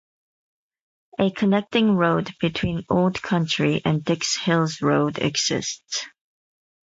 A connecting road between Old Country and Dix Hills Road exists.